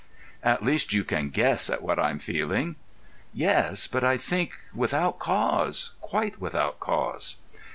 At least you can guess at what I'm feeling." "Yes; but I think without cause—quite without cause."